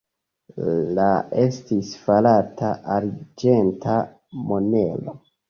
La estis farata arĝenta monero.